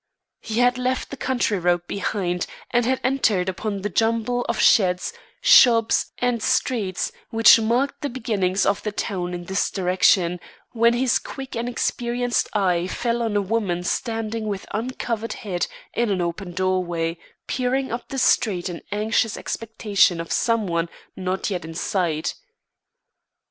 He had left the country road behind, and had entered upon the jumble of sheds, shops, and streets which marked the beginnings of the town in this direction, when his quick and experienced eye fell on a woman standing with uncovered head in an open doorway, peering up the street in anxious expectation of some one not yet in sight.